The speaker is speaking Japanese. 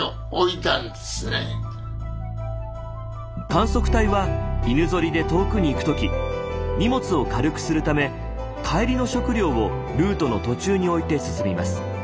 観測隊は犬ゾリで遠くに行く時荷物を軽くするため帰りの食料をルートの途中に置いて進みます。